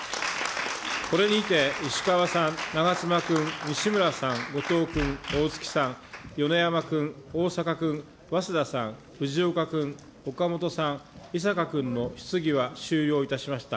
これにて石川さん、長妻君、西村さん、後藤君、おおつきさん、米山君、逢坂君、早稲田さん、藤岡君、岡本さん、井坂君の質疑は終了いたしました。